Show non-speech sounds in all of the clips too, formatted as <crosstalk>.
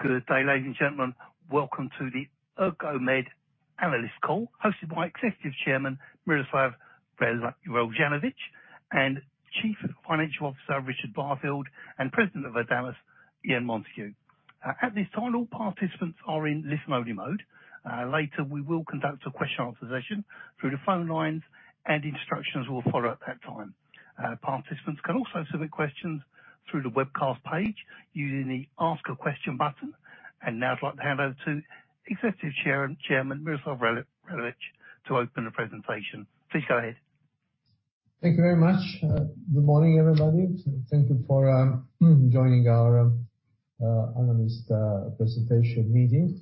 Good day, ladies and gentlemen. Welcome to the Ergomed analyst call, hosted by Executive Chairman Miroslav Reljanović and Chief Financial Officer Richard Barfield and President of ADAMAS Ian Montague. At this time, all participants are in listen-only mode. Later, we will conduct a question answer session through the phone lines, and instructions will follow at that time. Participants can also submit questions through the webcast page using the Ask a Question button. Now I'd like to hand over to Executive Chairman Miroslav Reljanović to open the presentation. Please go ahead. Thank you very much. Good morning, everybody. Thank you for joining our analyst presentation meeting.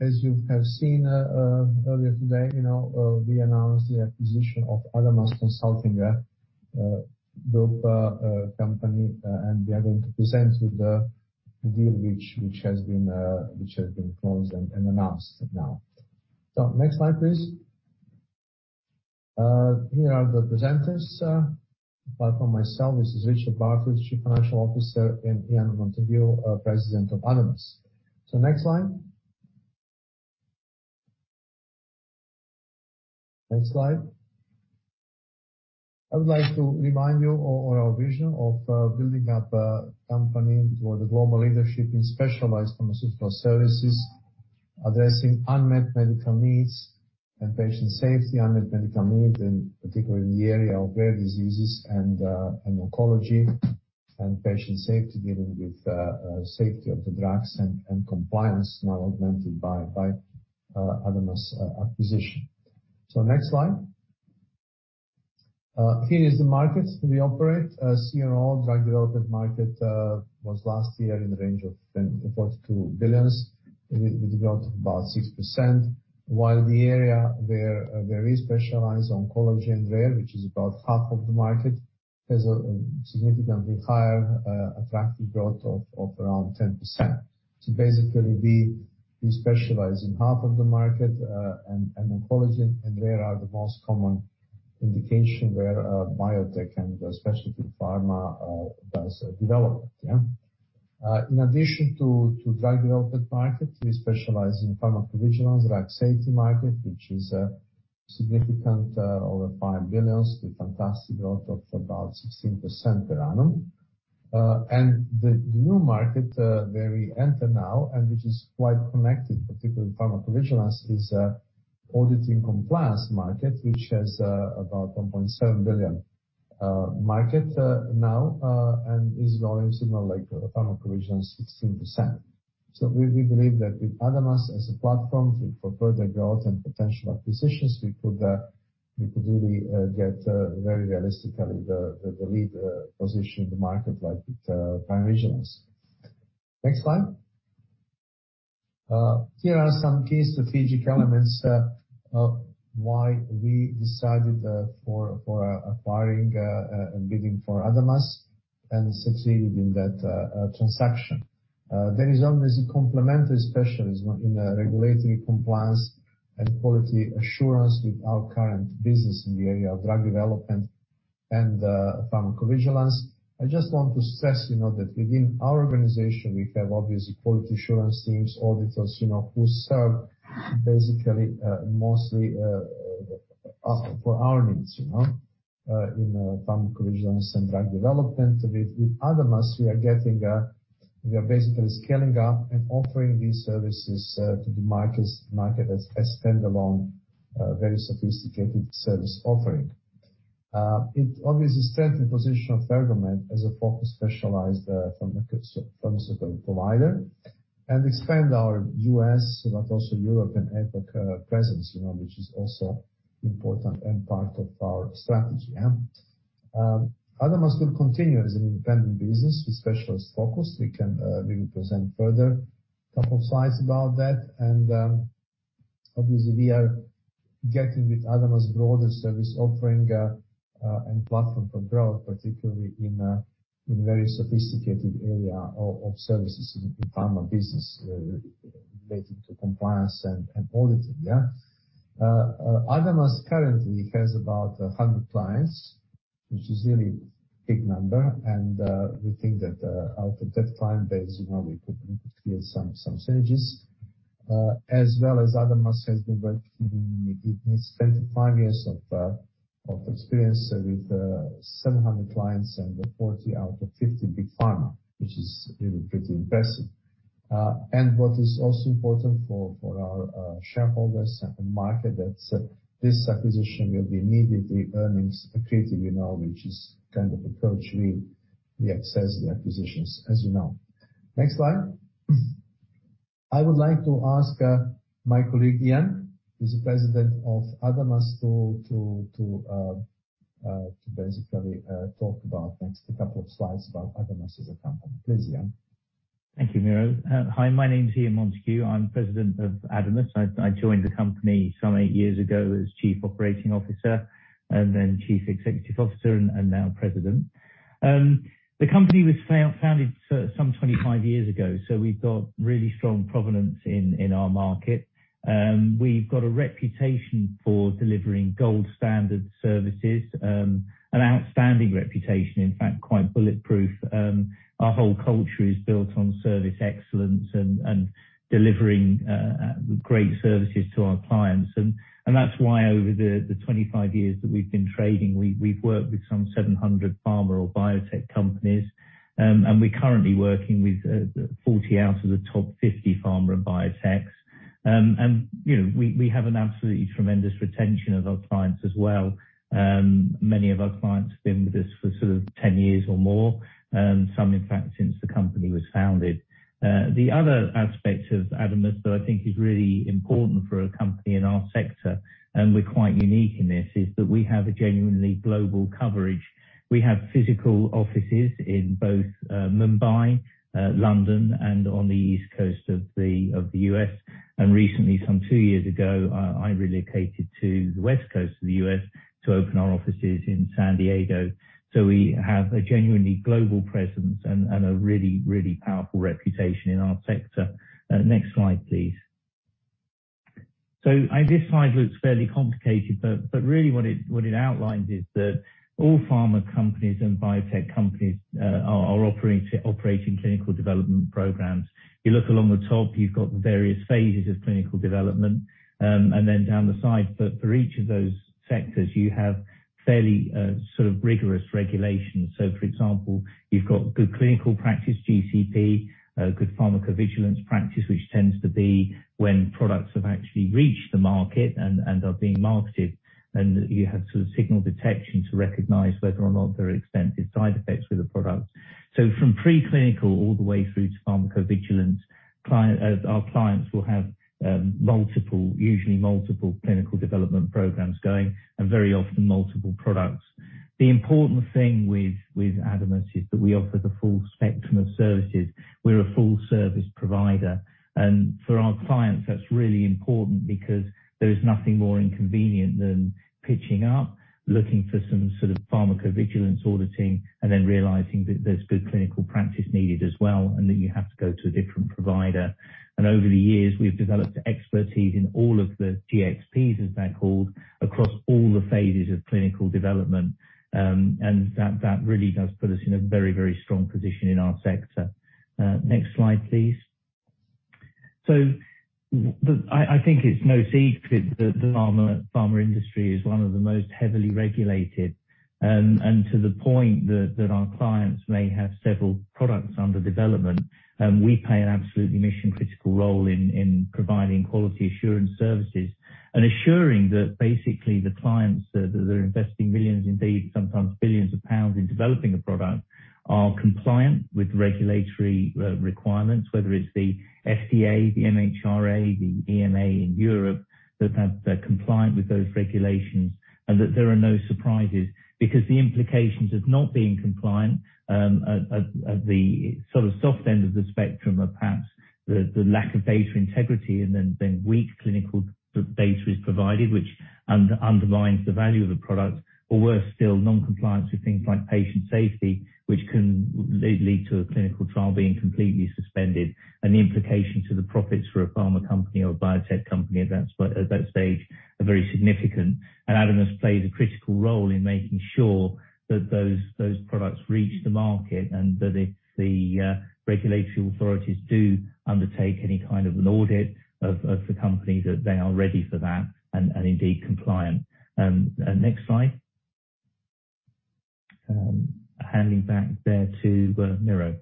As you have seen earlier today, you know, we announced the acquisition of ADAMAS Consulting Group company, and we are going to present with the deal which has been closed and announced now. Next slide, please. Here are the presenters. Apart from myself, this is Richard Barfield, Chief Financial Officer, and Ian Montague, President of ADAMAS. Next slide. Next slide. I would like to remind you on our vision of building up a company toward the global leadership in specialized pharmaceutical services, addressing unmet medical needs and patient safety, particularly in the area of rare diseases and oncology, and patient safety, dealing with safety of the drugs and compliance now augmented by ADAMAS acquisition. Next slide. Here is the market we operate. As you know, drug development market was last year in the range of $10 billion-$42 billion. We developed about 6%, while the area where we specialize in oncology and rare, which is about half of the market, has a significantly higher attractive growth of around 10%. Basically, we specialize in half of the market, and oncology, and rare are the most common indication where biotech and especially pharma does development. In addition to drug development market, we specialize in Pharmacovigilance, drug safety market, which is a significant over 5 billion with fantastic growth of about 16% per annum. The new market where we enter now, and which is quite connected, particularly in Pharmacovigilance, is auditing compliance market, which has about 1.7 billion market now, and is growing similar like Pharmacovigilance 16%. We believe that with ADAMAS as a platform for further growth and potential acquisitions, we could really get very realistically the lead position in the market like with Pharmacovigilance. Next slide. Here are some key strategic elements why we decided for acquiring and bidding for ADAMAS and succeeded in that transaction. There is obviously complementary specialism in a regulatory compliance and quality assurance with our current business in the area of Drug Development and Pharmacovigilance. I just want to stress, you know, that within our organization we have obviously quality assurance teams, auditors, you know, who serve basically, mostly for our needs, you know, in Pharmacovigilance and Drug Development. With ADAMAS, we are basically scaling up and offering these services to the market as standalone very sophisticated service offering. It obviously strengthen the position of Ergomed as a focused, specialized pharmaceutical provider and expand our U.S., but also Europe and APAC presence, you know, which is also important and part of our strategy. ADAMAS will continue as an independent business with specialist focus. We can, we will present further couple slides about that. Obviously we are getting with ADAMAS broader service offering and platform for growth, particularly in very sophisticated area of services in pharma business related to compliance and auditing. ADAMAS currently has about 100 clients, which is really big number, and we think that out of that client base, you know, we could create some synergies. As well as ADAMAS has been working, it's 25 years of experience with 700 clients and 40 out of 50 big pharma, which is really pretty impressive. What is also important for our shareholders and market, that this acquisition will be immediately earnings accretive, you know, which is kind of approach we assess the acquisitions, as you know. Next slide. I would like to ask my colleague, Ian, who's the President of ADAMAS, to basically talk about next couple of slides about ADAMAS as a company. Please, Ian. Thank you, Miro. Hi, my name is Ian Montague. I'm President of ADAMAS. I joined the company some eight years ago as Chief Operating Officer and then Chief Executive Officer and now President. The company was founded some 25 years ago, so we've got really strong provenance in our market. We've got a reputation for delivering gold standard services, an outstanding reputation, in fact, quite bulletproof. Our whole culture is built on service excellence and delivering great services to our clients. That's why over the 25 years that we've been trading, we've worked with some 700 pharma or biotech companies. We're currently working with 40 out of the top 50 Pharma and Biotechs. You know, we have an absolutely tremendous retention of our clients as well. Many of our clients have been with us for sort of 10 years or more, some in fact since the company was founded. The other aspect of ADAMAS that I think is really important for a company in our sector, and we're quite unique in this, is that we have a genuinely global coverage. We have physical offices in both Mumbai, London and on the East Coast of the U.S. Recently, some two years ago, I relocated to the West Coast of the U.S. to open our offices in San Diego. We have a genuinely global presence and a really powerful reputation in our sector. Next slide, please. This slide looks fairly complicated, but really what it outlines is that all Pharma companies and Biotech companies are operating Clinical Development Program. You look along the top, you've got the various phases of Clinical Development. Down the side, for each of those sectors, you have fairly, sort of rigorous regulations. For example, you've got Good Clinical Practice, GCP, Good Pharmacovigilance Practice, which tends to be when products have actually reached the market and are being marketed, and you have sort of signal detection to recognize whether or not there are extensive side effects with the products. From pre-clinical all the way through to Pharmacovigilance, our clients will have multiple, usually multiple Clinical Development Program's going, and very often multiple products. The important thing with ADAMAS is that we offer the full spectrum of services. We're a full service provider. For our clients, that's really important because there is nothing more inconvenient than pitching up, looking for some sort of Pharmacovigilance auditing, and then realizing that there's Good Clinical Practice needed as well, and then you have to go to a different provider. Over the years, we've developed expertise in all of the GxPs, as they're called, across all the phases of Clinical Development. That really does put us in a very, very strong position in our sector. Next slide, please. I think it's no secret that the pharma industry is one of the most heavily regulated, and to the point that our clients may have several products under development. We play an absolutely mission-critical role in providing quality assurance services and assuring that basically the clients that are investing millions, indeed sometimes billions of pounds in developing a product, are compliant with regulatory requirements. Whether it's the FDA, the MHRA, the EMA in Europe, that they're compliant with those regulations and that there are no surprises. Because the implications of not being compliant at the sort of soft end of the spectrum are perhaps the lack of data integrity and then weak clinical data is provided, which underlines the value of the product. Or worse still, non-compliance with things like patient safety, which can lead to a clinical trial being completely suspended. The implications to the profits for a Pharma Company or a Biotech Company at that stage are very significant. ADAMAS plays a critical role in making sure that those products reach the market and that if the regulatory authorities do undertake any kind of an audit of the company, that they are ready for that and indeed compliant. Next slide. Handing back there to Miro.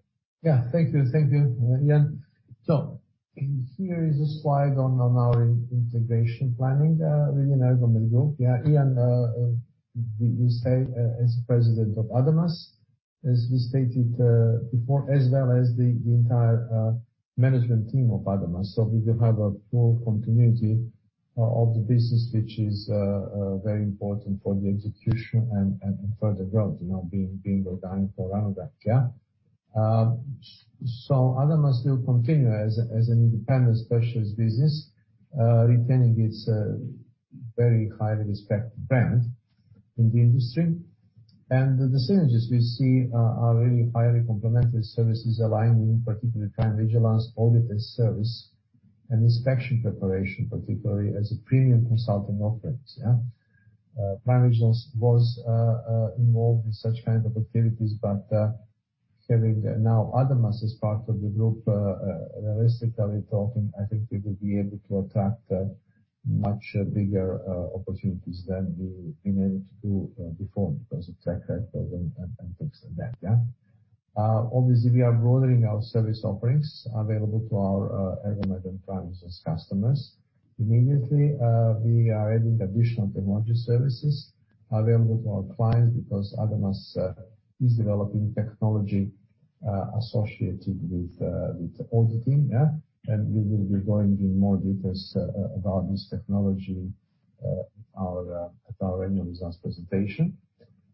Thank you. Thank you, Ian. Here is a slide on our integration planning within Ergomed. Ian will stay as President of ADAMAS, as we stated before, as well as the entire management team of ADAMAS. We will have full continuity of the business, which is very important for the execution and further growth, you know, being organic for Ergomed. ADAMAS will continue as an independent specialist business, retaining its very highly respected brand in the industry. The synergies we see are really highly complementary services aligning, particularly PrimeVigilance, audit as service, and inspection preparation, particularly as premium consulting offerings. Management was involved in such kind of activities, but having now ADAMAS as part of the group, realistically talking, I think we will be able to attract much bigger opportunities than we've been able to do before because of track record and things like that, yeah. Obviously we are broadening our service offerings available to our Ergomed trial business customers. Immediately we are adding additional technology services available to our clients because ADAMAS is developing technology associated with auditing, yeah. We will be going into more details about this technology at our annual results presentation,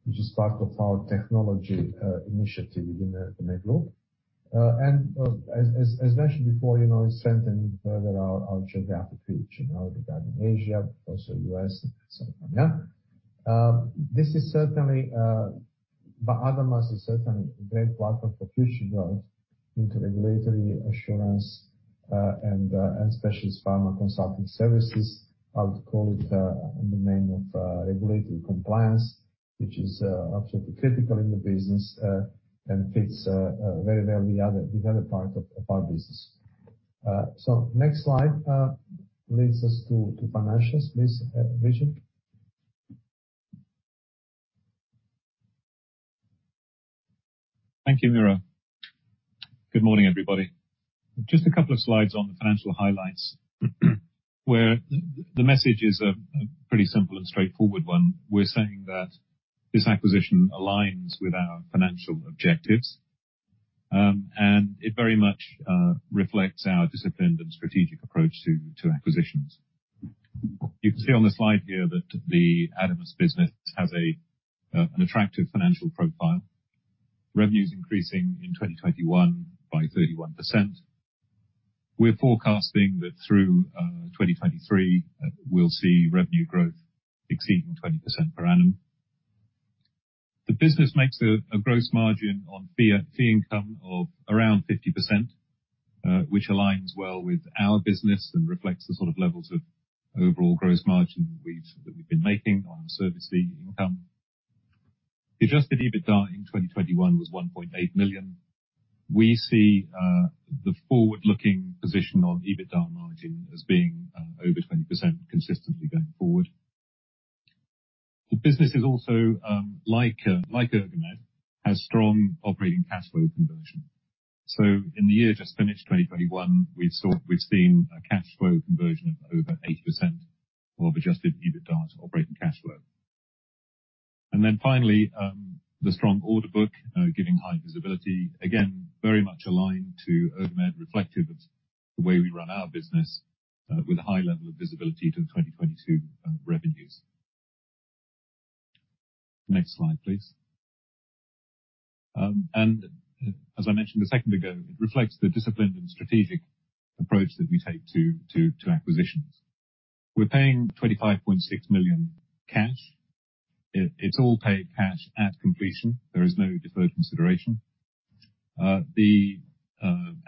which is part of our technology initiative within the Ergomed Group. As mentioned before, you know, it's strengthening further our geographic reach, you know, regarding Asia, also U.S., and so on. ADAMAS is certainly a great platform for future growth into regulatory assurance and specialist pharma consulting services. I would call it in the name of regulatory compliance, which is absolutely critical in the business and fits very well the other part of our business. Next slide leads us to financials. Please, Richard. Thank you, Miro. Good morning, everybody. Just a couple of slides on the financial highlights where the message is a pretty simple and straightforward one. We're saying that this acquisition aligns with our financial objectives. It very much reflects our disciplined and strategic approach to acquisitions. You can see on the slide here that the ADAMAS business has an attractive financial profile. Revenue's increasing in 2021 by 31%. We're forecasting that through 2023, we'll see revenue growth exceeding 20% per annum. The business makes a gross margin on fee income of around 50%, which aligns well with our business and reflects the sort of levels of overall gross margin we've been making on our service fee income. Adjusted EBITDA in 2021 was 1.8 million. We see the forward-looking position on EBITDA margin as being over 20% consistently going forward. The business is also, like Ergomed, has strong operating cash flow conversion. In the year just finished, 2021, we've seen a cash flow conversion of over 80% of Adjusted EBITDA to operating cash flow. Finally, the strong order book giving high visibility, again, very much aligned to Ergomed, reflective of the way we run our business, with a high level of visibility to 2022 revenues. Next slide, please. As I mentioned a second ago, it reflects the disciplined and strategic approach that we take to acquisitions. We're paying 25.6 million cash. It's all paid cash at completion. There is no deferred consideration. The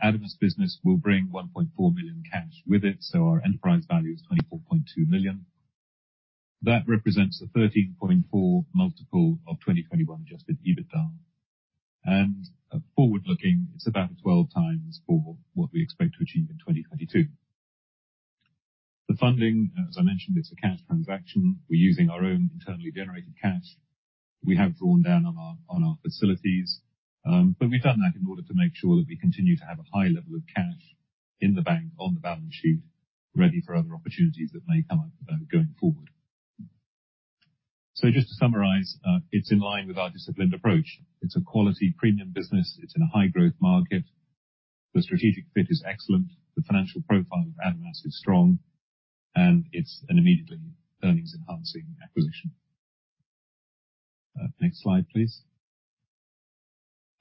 ADAMAS business will bring 1.4 million cash with it, so our enterprise value is 24.2 million. That represents a 13.4x multiple of 2021 Adjusted EBITDA. Forward-looking, it's about 12x for what we expect to achieve in 2022. The funding, as I mentioned, it's a cash transaction. We're using our own internally generated cash. We have drawn down on our facilities. We've done that in order to make sure that we continue to have a high level of cash in the bank on the balance sheet ready for other opportunities that may come up going forward. Just to summarize, it's in line with our disciplined approach. It's a quality premium business. It's in a high growth market. The strategic fit is excellent. The financial profile of ADAMAS is strong, and it's an immediately earnings enhancing acquisition. Next slide, please.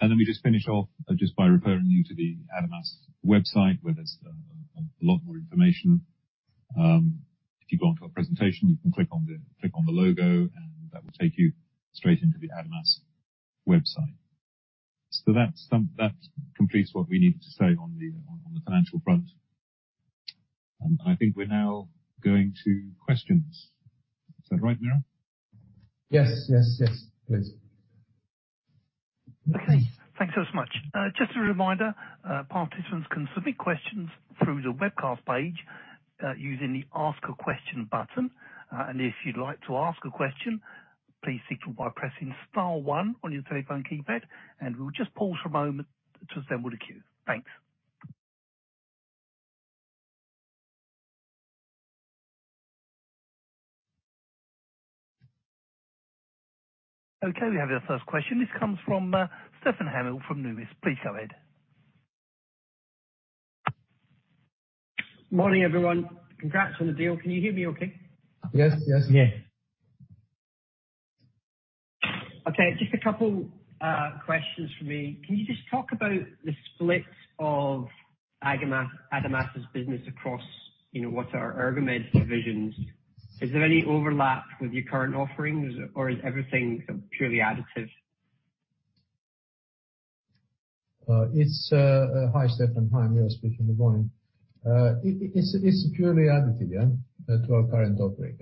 Let me just finish off just by referring you to the ADAMAS website, where there's a lot more information. If you go onto our presentation, you can click on the logo, and that will take you straight into the ADAMAS website. That completes what we needed to say on the financial front. I think we're now going to questions. Is that right, Miro? Yes. Yes. Yes, please. Okay. Thanks so much. Just a reminder, participants can submit questions through the webcast page, using the Ask a Question button. If you'd like to ask a question, please signal by pressing star one on your telephone keypad, and we'll just pause for a moment to assemble the queue. Thanks. Okay, we have our first question. This comes from Stefan Hamill from Numis. Please go ahead. Morning, everyone. Congrats on the deal. Can you hear me okay? Yes. Yes. Yes. Okay. Just a couple questions from me. Can you just talk about the split of ADAMAS' business across, you know, what are Ergomed's divisions? Is there any overlap with your current offerings or is everything sort of purely additive? Hi, Stefan. Hi, Miro speaking. Good morning. It is purely additive, yeah, to our current offering.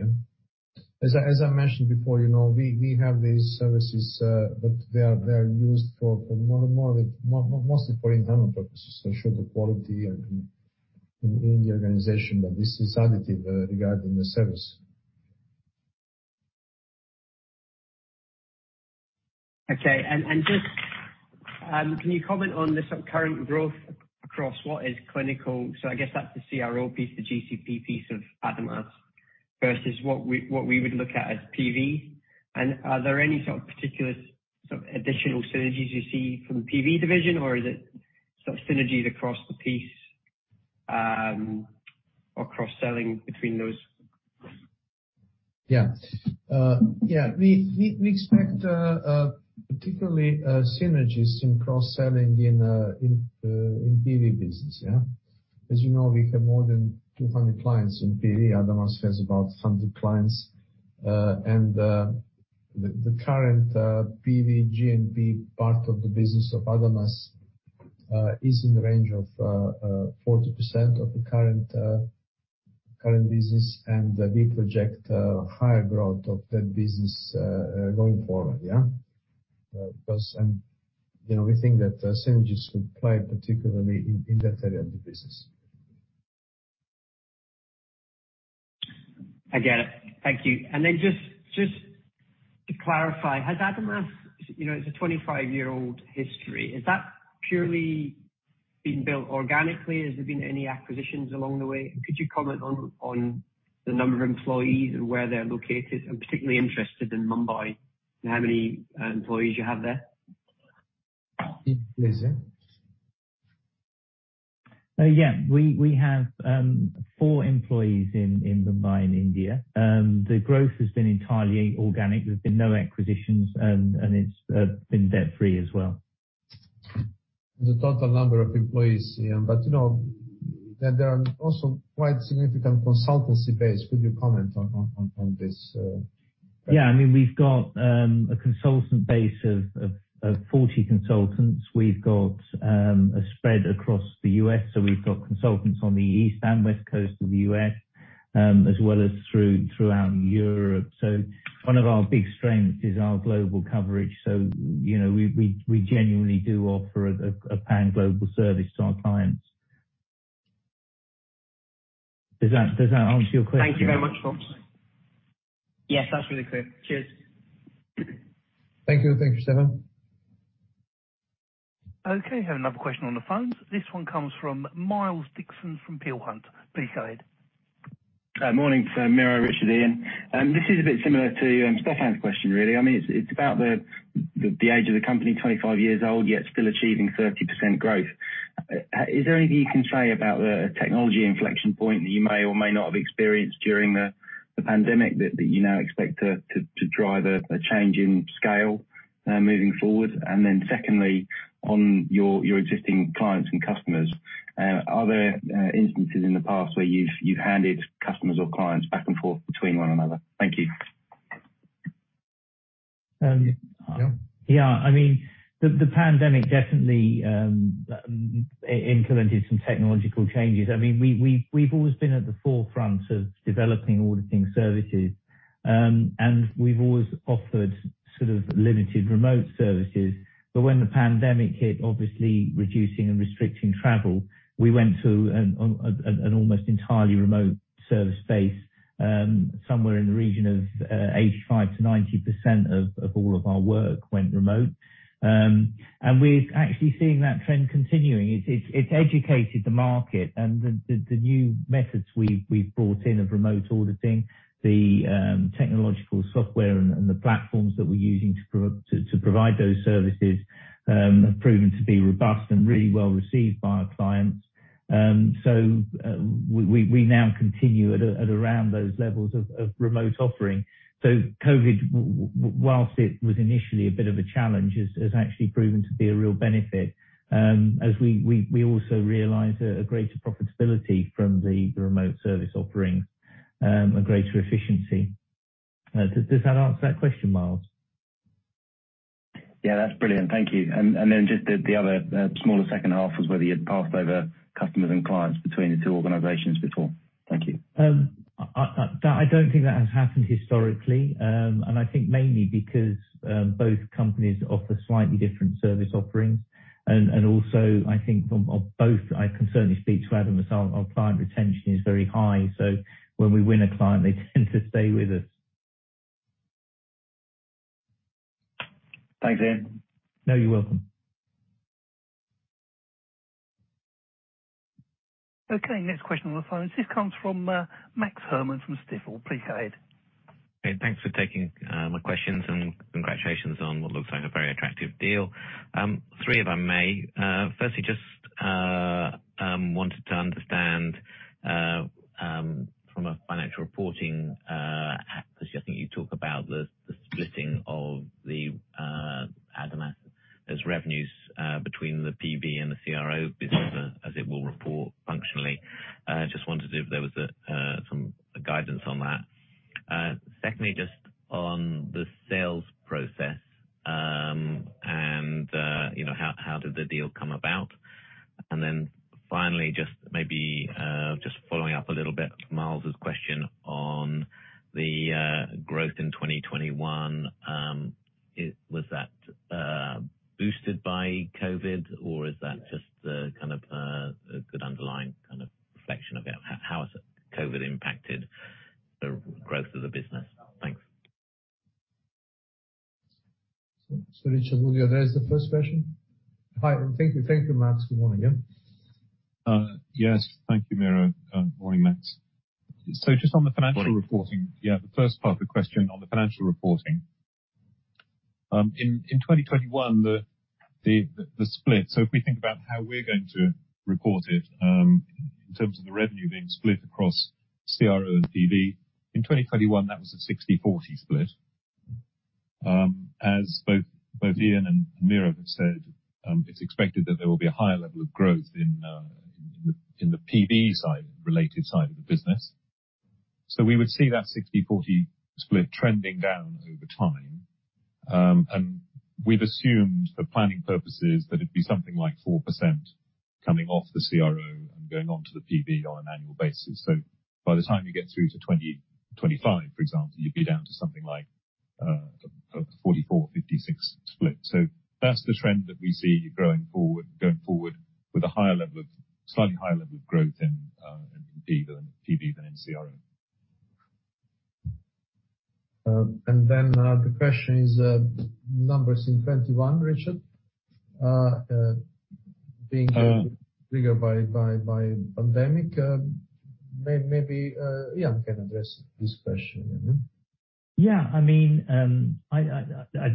As I mentioned before, you know, we have these services, but they are used mostly for internal purposes to ensure the quality in the organization. This is additive regarding the service. Okay. Just can you comment on the sort of current growth across what is clinical? I guess that's the CRO piece, the GCP piece of ADAMAS versus what we would look at as PV. Are there any sort of particular sort of additional synergies you see from the PV division, or is it sort of synergies across the piece? Or cross-selling between those. <audio distortion> We expect particularly synergies in cross-selling in PV business. As you know, we have more than 200 clients in PV. ADAMAS has about 100 clients. The current PV GMP part of the business of ADAMAS is in the range of 40% of the current business. We project higher growth of that business going forward because you know, we think that synergies could play particularly in that area of the business. I get it. Thank you. Then just to clarify, has ADAMAS. You know, it's a 25-year-old history. Is that purely been built organically? Has there been any acquisitions along the way? Could you comment on the number of employees and where they're located? I'm particularly interested in Mumbai, and how many employees you have there? Yes, Ian. Yeah. We have four employees in Mumbai, in India. The growth has been entirely organic. There's been no acquisitions, and it's been debt-free as well. The total number of employees, Ian. You know, there are also quite significant consultancy base. Could you comment on this? Yeah. I mean, we've got a consultant base of 40 consultants. We've got a spread across the U.S., so we've got consultants on the East and West Coast of the U.S., as well as throughout Europe. One of our big strengths is our global coverage. You know, we genuinely do offer a pan-global service to our clients. Does that answer your question? Thank you very much, folks. Yes, that's really clear. Cheers. Thank you. Thank you, Stefan. Okay, we have another question on the phone. This one comes from Miles Dixon from Peel Hunt. Please go ahead. Morning, Miro, Richard, Ian. This is a bit similar to Stefan's question really. I mean, it's about the age of the company, 25 years old, yet still achieving 30% growth. Is there anything you can say about the technology inflection point that you may or may not have experienced during the pandemic that you now expect to drive a change in scale moving forward? And then secondly, on your existing clients and customers, are there instances in the past where you've handed customers or clients back and forth between one another? Thank you. Yeah. I mean, the pandemic definitely implemented some technological changes. I mean, we've always been at the forefront of developing auditing services. We've always offered sort of limited remote services. When the pandemic hit, obviously reducing and restricting travel, we went to an almost entirely remote service base. Somewhere in the region of 85%-90% of all of our work went remote. We're actually seeing that trend continuing. It's educated the market and the new methods we've brought in of remote auditing, the technological software and the platforms that we're using to provide those services have proven to be robust and really well received by our clients. We now continue at around those levels of remote offering. COVID, while it was initially a bit of a challenge, has actually proven to be a real benefit, as we also realize a greater profitability from the remote service offering, a greater efficiency. Does that answer that question, Miles? Yeah, that's brilliant. Thank you. Just the other smaller second half was whether you had passed over customers and clients between the two organizations before. Thank you. I don't think that has happened historically. I think mainly because both companies offer slightly different service offerings. Also, I think from both, I can certainly speak to ADAMAS, our client retention is very high. When we win a client, they tend to stay with us. Thanks, Ian. No, you're welcome. Okay, next question on the phone. This comes from, Max Herrmann from Stifel. Please go ahead. Hey, thanks for taking my questions, and congratulations on what looks like a very attractive deal. Three if I may. Firstly, just wanted to understand from a financial reporting perspective, I think you talk about the splitting of the ADAMAS as revenues between the PV and the CRO business as it will report functionally. Just wondered if there was some guidance on that. Secondly, just on the sales process, and you know, how did the deal come about? Then finally, just maybe following up a little bit Miles' question on the growth in 2021, was that boosted by COVID or is that just the kind of a good underlying kind of reflection of it? How has COVID impacted the growth of the business? Thanks. Richard, will you address the first question? Hi, and thank you. Thank you, Max. Good morning, Ian. Yes. Thank you, Miro. Morning, Max. Just on the financial reporting. <crosstalk> Yeah, the first part of the question on the financial reporting. In 2021 the split. If we think about how we're going to report it, in terms of the revenue being split across CRO and PV, in 2021 that was a 60/40 split. As both Ian and Miro have said, it's expected that there will be a higher level of growth in the PV-related side of the business. We would see that 60/40 split trending down over time. We've assumed for planning purposes that it'd be something like 4% coming off the CRO and going on to the PV on an annual basis. By the time you get through to 2025, for example, you'd be down to something like a 44/56 split. That's the trend that we see going forward with a slightly higher level of growth in PV than in CRO. The question is, numbers in 2021, Richard, being triggered by pandemic. Maybe Ian can address this question. Mm-hmm. Yeah. I mean,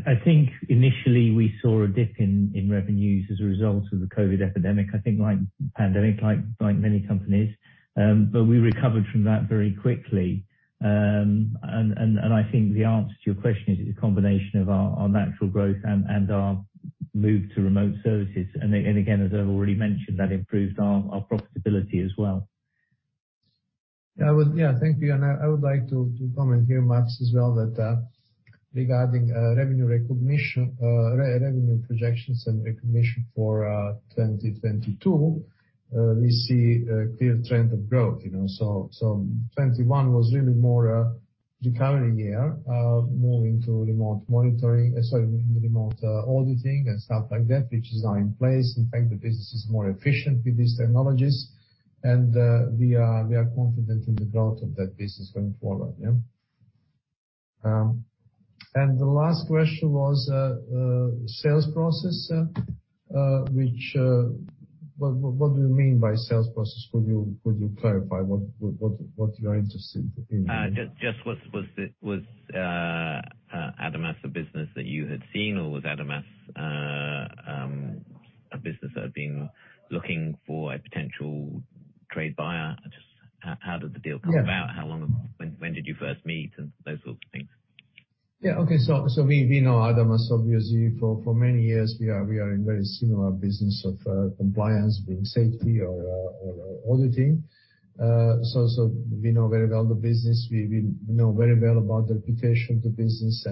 I think initially we saw a dip in revenues as a result of the COVID epidemic, like the pandemic, like many companies. We recovered from that very quickly. I think the answer to your question is it's a combination of our natural growth and our move to remote services. Again, as I've already mentioned, that improves our profitability as well. Yeah. Well, yeah, thank you. I would like to comment here, Max, as well, that regarding revenue recognition, revenue projections and recognition for 2022, we see a clear trend of growth, you know. 2021 was really more a recovery year, moving to remote monitoring. Sorry, remote auditing and stuff like that, which is now in place. In fact, the business is more efficient with these technologies and we are confident in the growth of that business going forward, yeah. The last question was sales process, which. What do you mean by sales process? Could you clarify what you are interested in? Just what's ADAMAS, a business that you had seen, or was ADAMAS a business that had been looking for a potential trade buyer? Just how did the deal come about? Yeah. How long ago? When did you first meet and those sorts of things? Yeah. Okay. We know ADAMAS obviously for many years. We are in very similar business of compliance, being safety or auditing. We know very well the business. We know very well about the reputation of the business.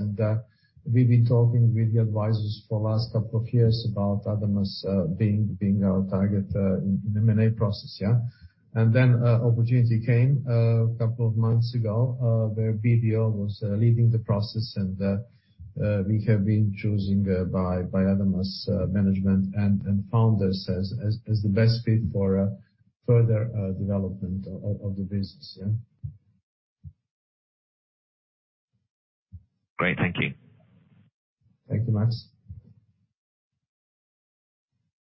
We've been talking with the advisors for last couple of years about ADAMAS being our target in M&A process, yeah. Opportunity came couple of months ago where BDO was leading the process. We have been chosen by ADAMAS management and founders as the best fit for further development of the business. Yeah. Great. Thank you. Thank you, Max.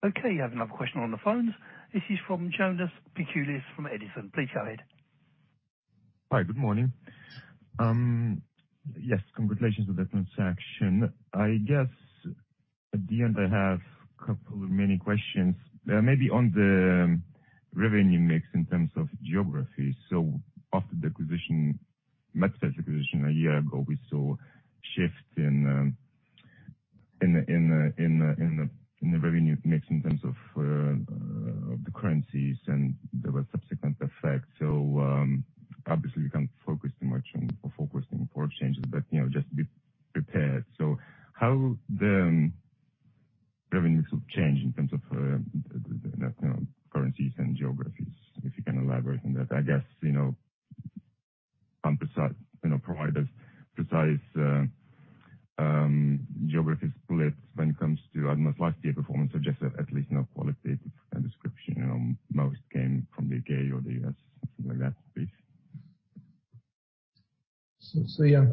Okay, you have another question on the phone. This is from Jonas Peciulis from Edison. Please go ahead. Hi. Good morning. Yes, congratulations on the transaction. I guess at the end, I have a couple of many questions. Maybe on the revenue mix in terms of geography. After the acquisition, MedSource acquisition a year ago, we saw a shift in the revenue mix in terms of the currencies and there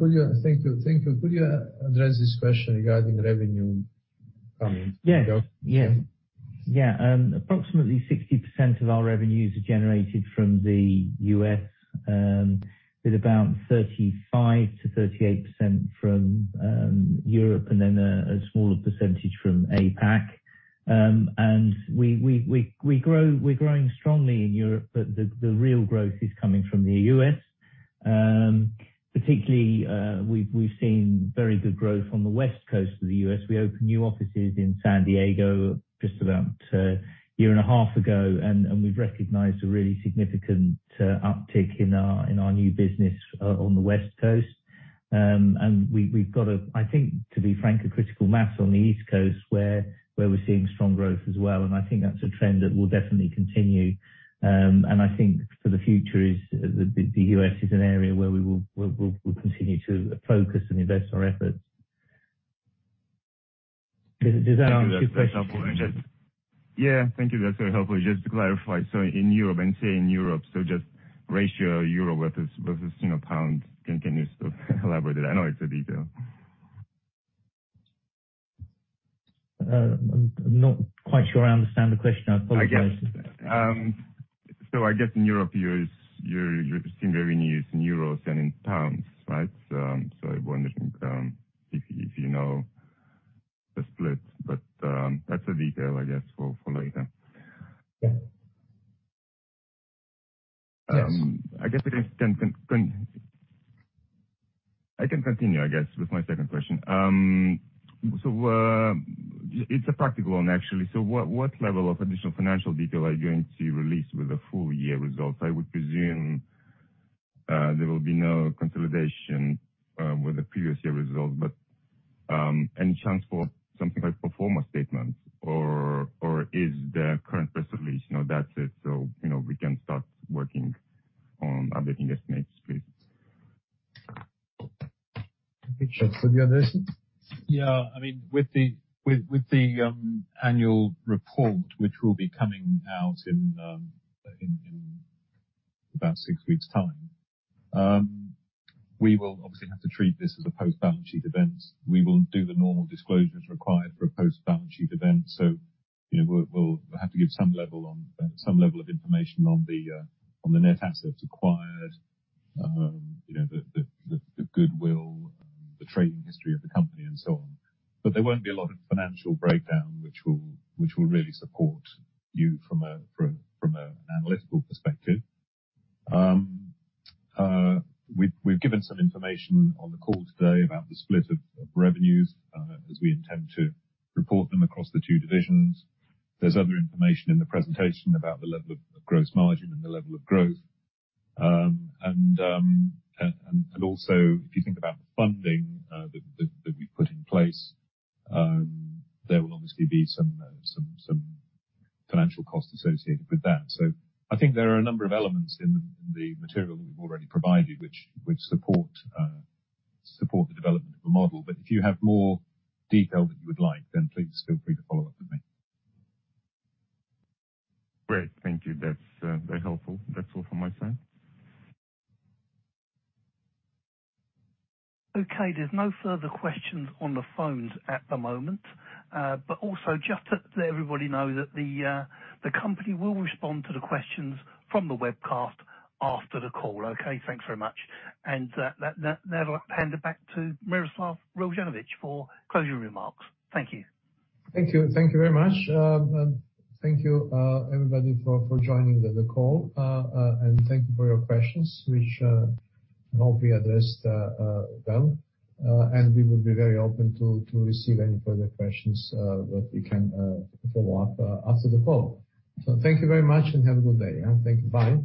were subsequent effects. Obviously you can't focus too much on forecasting foreign exchanges, but you know, just be prepared. How will the revenues change in terms of currencies and geographies? If you can elaborate on that. I guess you know, provide us a precise geography split when it comes to ADAMAS. Last year's performance suggested at least a qualitative description. You know, most came from the U.K. or the U.S., something like that, please. Yeah. Thank you. Thank you. Could you address this question regarding revenue? Yeah. Approximately 60% of our revenues are generated from the U.S., with about 35%-38% from Europe, and then a smaller percentage from APAC. We're growing strongly in Europe but the real growth is coming from the U.S. Particularly, we've seen very good growth on the West Coast of the U.S. We opened new offices in San Diego just about a year and a half ago, and we've recognized a really significant uptick in our new business on the West Coast. We've got, I think, to be frank, a critical mass on the East Coast where we're seeing strong growth as well. I think that's a trend that will definitely continue. I think for the future, the U.S. is an area where we'll continue to focus and invest our efforts. Does that answer your question? Yeah. Thank you. That's very helpful. Just to clarify, so in Europe, when you say in Europe, so just ratio euro versus, you know, pound. Can you still elaborate it? I know it's a detail. I'm not quite sure I understand the question. I apologize. I guess in Europe you're seeing revenues in euros and in pounds, right? I'm wondering if you know the split, but that's a detail I guess we'll follow later. Yeah. Yes. I guess I can continue, I guess, with my second question. It's a practical one, actually. What level of additional financial detail are you going to release with the full year results? I would presume there will be no consolidation with the previous year results. But any chance for something like pro forma statements or is the current press release, you know, that's it, so you know, we can start working on updating estimates, please? I think that's for you, Richard Barfield. Yeah. I mean, with the annual report, which will be coming out in about six weeks' time, we will obviously have to treat this as a post-balance sheet event. We will do the normal disclosures required for a post-balance sheet event. You know, we'll have to give some level of information on the net assets acquired. You know, the goodwill, the trading history of the company and so on. But there won't be a lot of financial breakdown which will really support you from an analytical perspective. We've given some information on the call today about the split of revenues as we intend to report them across the two divisions. There's other information in the presentation about the level of gross margin and the level of growth. Also if you think about the funding that we put in place, there will obviously be some financial costs associated with that. I think there are a number of elements in the material that we've already provided which support the development of a model. If you have more detail that you would like, then please feel free to follow up with me. Great. Thank you. That's very helpful. That's all from my side. Okay. There's no further questions on the phones at the moment. But also just to let everybody know that the company will respond to the questions from the webcast after the call. Okay? Thanks very much. Now I hand it back to Miroslav Reljanović for closing remarks. Thank you. Thank you. Thank you very much. And thank you everybody for joining the call. And thank you for your questions which hopefully addressed well. And we would be very open to receive any further questions that we can follow up after the call. Thank you very much and have a good day. Yeah. Thank you. Bye.